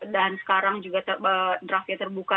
dan sekarang juga draftnya terbuka